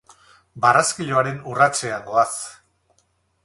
Barraskiloaren urratsean goaz.